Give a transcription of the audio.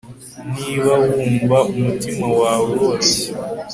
niba wumva umutima wawe woroshye